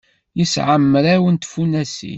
Yesɛa mraw n tfunasin.